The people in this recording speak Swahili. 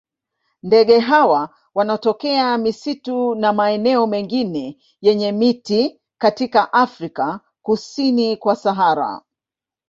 Ndege hawa wanatokea misitu na maeneo mengine yenye miti katika Afrika kusini kwa Sahara.